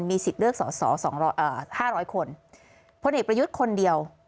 มีสิทธิ์เลือก๕๐๐คนผลเอกประยุทธ์คนเดียว